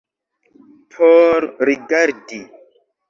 Por rigardi.